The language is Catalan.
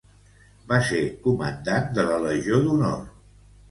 Va ser comandant de la Legió d'Honor.